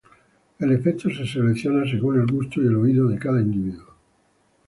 El efecto se selecciona según el gusto y el oído de cada individuo.